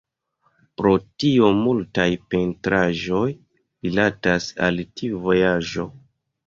Pro tio multaj pentraĵoj rilatas al tiu vojaĝo.